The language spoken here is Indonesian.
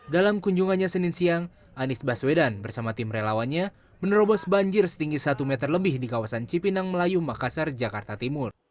dalam kunjungannya senin siang anies baswedan bersama tim relawannya menerobos banjir setinggi satu meter lebih di kawasan cipinang melayu makassar jakarta timur